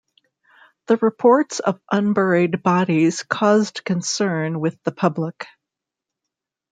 The reports of unburied bodies caused concern with the public.